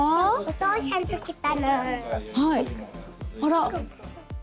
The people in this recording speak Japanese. あら。